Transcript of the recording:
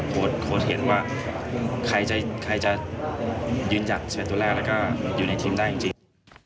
โพสเท้นว่าใครจะยืนยัดส่วนแรกแล้วอยู่ในทีมได้จริง